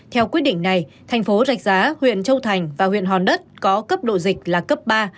theo quyết định này thành phố rạch giá huyện châu thành và huyện hòn đất có cấp độ dịch là cấp ba